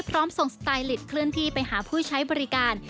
พร้อมส่งสไตลิตเคลื่อนที่ไปหาผู้ใช้บริการ